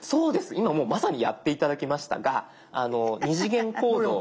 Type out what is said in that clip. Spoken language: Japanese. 今もうまさにやって頂きましたが二次元コードを。